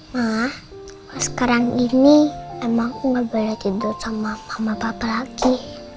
ma sekarang ini emang aku gak boleh tidur sama mama papa lagi